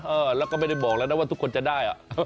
เออแล้วก็ไม่ได้บอกแล้วนะว่าทุกคนจะได้